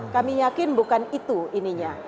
kami yakin bukan itu ininya